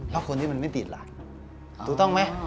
แล้วคนที่มันไม่ติดล่ะถูกต้องไหม